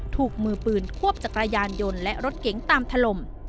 ถูกมือปืนควบจักรยานยนต์และรถเก๋งตามถล่ม